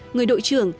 người đội trưởng